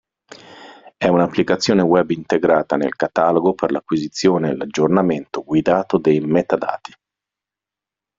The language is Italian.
E un'applicazione Web integrata nel catalogo per l'acquisizione e l'aggiornamento guidato dei metadati.